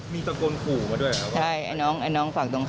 มีการฆ่ากันห้วย